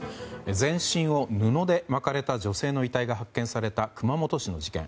全身を布で巻かれた女性の遺体が発見された熊本市の事件。